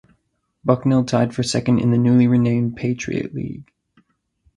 Bucknell tied for second in the newly renamed Patriot League.